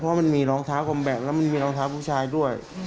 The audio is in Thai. เพราะมันมีรองเท้ากลมแบกแล้วมันมีรองเท้าผู้ชายด้วย